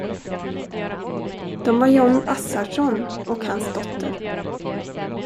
De var Jon Assarsson och hans dotter.